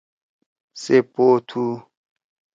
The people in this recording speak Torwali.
سے پو تُھو۔